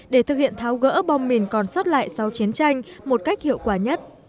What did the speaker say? để thực hiện tháo gỡ bom mìn còn sót lại sau chiến tranh một cách hiệu quả nhất